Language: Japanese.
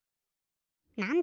なんだ？